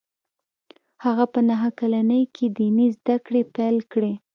هغه په نهه کلنۍ کې ديني زده کړې پیل کړې